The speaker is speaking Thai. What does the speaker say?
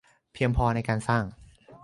เพียงพอในการสร้าง